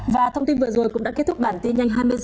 và thông tin vừa rồi cũng đã kết thúc bản tin nhanh hai mươi h